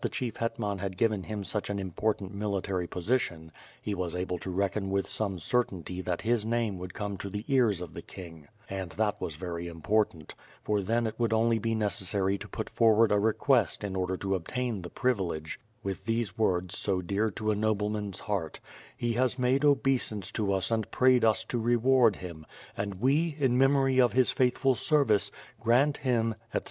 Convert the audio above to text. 159 chief Hetman had given him such an important military po sition he was able to reckon with some certainty that his name would come to the ears of the king, and that was very important, for then it would only be necessary to put forward a request in order to obtain the privilege, with these words so dear to a nobleman's heart, "He has made obeisance to us and prayed us to reward him, and we, in memory of his faithful service, grant him, etc."